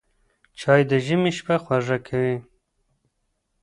چای د ژمي شپه خوږه کوي